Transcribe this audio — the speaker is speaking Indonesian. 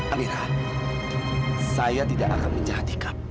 amira saya tidak akan menjahat ikat